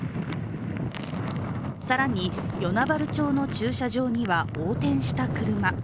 更に与那原町の駐車場には横転した車。